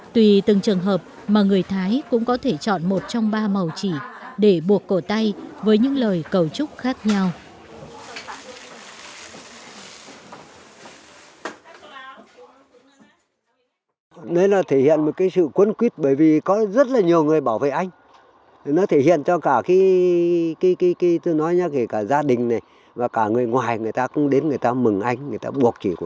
tùy từng trường hợp mà người thái cũng có thể chọn một trong ba màu chỉ để buộc cổ tay với những lời cầu chúc khác nhau